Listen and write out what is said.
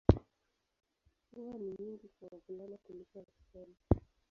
Huwa ni nyingi kwa wavulana kuliko wasichana.